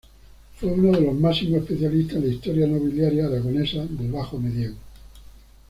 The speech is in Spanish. Fue uno de los máximos especialistas en la historia nobiliaria aragonesa del Bajo Medievo.